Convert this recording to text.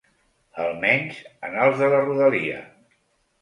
Almenys en els de la rodalia.